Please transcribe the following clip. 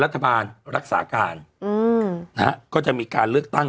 รัฐบาลรักษาการ